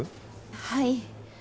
はい。